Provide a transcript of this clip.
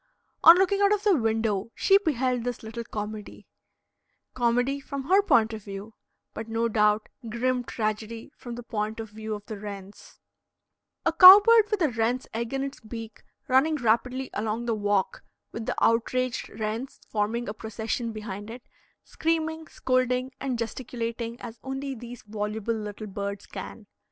On looking out of the window, she beheld this little comedy comedy from her point of view, but no doubt grim tragedy from the point of view of the wrens; a cow bird with a wren's egg in its beak running rapidly along the walk with the outraged wrens forming a procession behind it, screaming, scolding, and gesticulating as only these voluble little birds can.